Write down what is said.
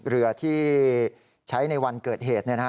เรือที่ใช้ในวันเกิดเหตุ